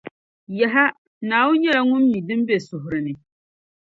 Yaha! Naawuni nyɛla Ŋun mi din be suhiri ni